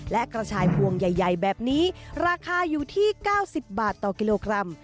และกระชายพวงใหญ่แบบนี้ราคาอยู่ที่๙๐บาทต่อกิโลกรัม